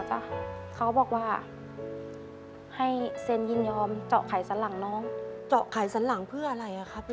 เจาะไขสันหลังเพื่ออะไรครับแล้วน้องต้องว่า